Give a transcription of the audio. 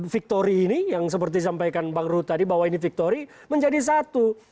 victori ini yang seperti sampaikan bang ru tadi bahwa ini victori menjadi satu